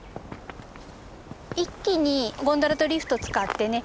一気にゴンドラとリフトを使ってね